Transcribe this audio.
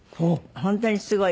本当にすごい。